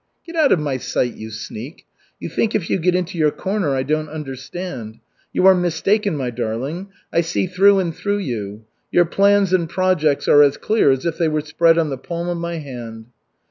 "Get out of my sight, you sneak. You think if you get into your corner I don't understand. You are mistaken, my darling. I see through and through you. Your plans and projects are as clear as if they were spread on the palm of my hand."